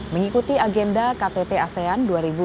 mengikuti agenda ktt asean dua ribu dua puluh